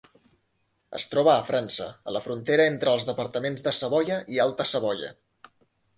Es troba a França, a la frontera entre els departaments de Savoia i Alta Savoia.